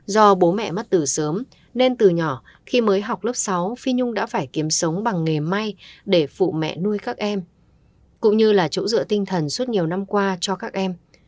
do bố mẹ mất từ sớm nên từ nhỏ khi mới học lớp sáu phi nhung đã phải kiếm sống bằng nghề may để phụ mẹ nuôi các em cũng như là chỗ dựa tinh thần suốt nhiều năm qua cho các em